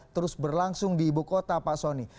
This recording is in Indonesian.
terus berlangsung di ibu kota pak soni